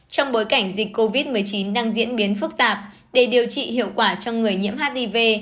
trong bối cảnh dịch covid một mươi chín đang diễn biến phức tạp để điều trị hiệu quả cho người nhiễm hiv